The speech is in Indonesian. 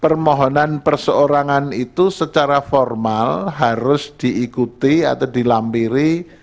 permohonan perseorangan itu secara formal harus diikuti atau dilampiri